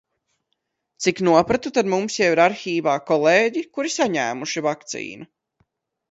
Cik nopratu, tad mums jau ir arhīvā kolēģi, kuri saņēmuši vakcīnu.